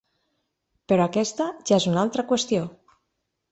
Però aquesta ja és una altra qüestió.